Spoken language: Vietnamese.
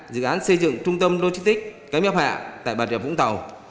dự án xây dựng trung tâm logistics cám ấp hạ tại bà trịa vũng tàu